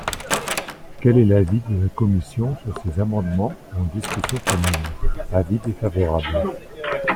Quel est l’avis de la commission sur ces amendements en discussion commune ? Avis défavorable.